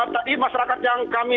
tadi masyarakat yang kami